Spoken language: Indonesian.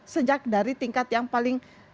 sejak dari tingkat yang paling